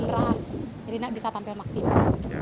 jadi tidak bisa tampil maksimal